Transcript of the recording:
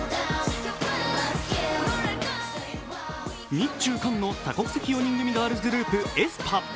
日中韓の多国籍４人組ガールズグループ、ａｅｓｐａ。